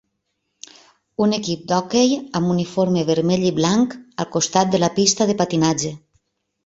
Un equip d'hoquei amb uniforme vermell i blanc al costat de la pista de patinatge.